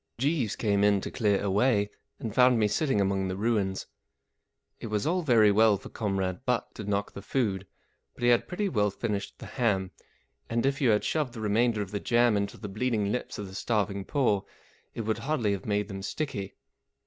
Jeeves came in to clear away, and found me sitting among the ruins. It was all very well for Comrade Butt to knock the food, but he had pretty well finished the ham ; and if you had shoved the remainder of the jam into the bleeding lips of the starving poor it would hardly have made them sticky.